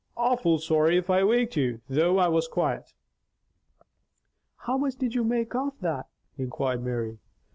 "Awful sorry if I waked you. Thought I was quiet." "How much did you make off that?" inquired Mary.